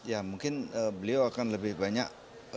ya mungkin beliau akan lebih banyak